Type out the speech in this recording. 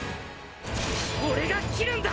俺が斬るんだ！